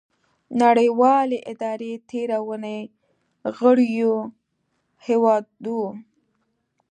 نړیوالې ادارې تیره اونۍ غړیو هیوادو